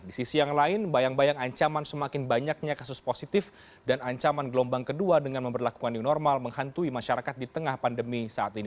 di sisi yang lain bayang bayang ancaman semakin banyaknya kasus positif dan ancaman gelombang kedua dengan memperlakukan new normal menghantui masyarakat di tengah pandemi saat ini